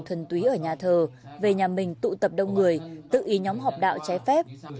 thuần túy ở nhà thờ về nhà mình tụ tập đông người tự ý nhóm họp đạo cháy phép